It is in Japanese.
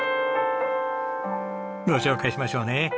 ご紹介しましょうね。